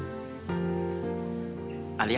aku berangkat ya